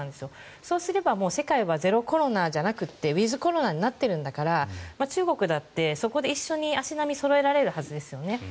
そうすれば世界はゼロコロナじゃなくてウィズコロナになっているんだから中国だってそこで一緒に足並みをそろえられるはずですよね。